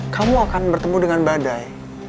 kamu akan bertemu dengan badai